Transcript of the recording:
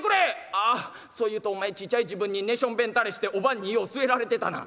「ああそういうとお前ちっちゃい時分に寝しょんべん垂れしておばんによう据えられてたな」。